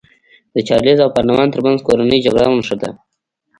د چارلېز او پارلمان ترمنځ کورنۍ جګړه ونښته.